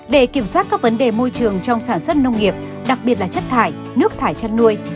để kiểm soát các vấn đề môi trường trong sản xuất nông nghiệp đặc biệt là chất thải nước thải chăn nuôi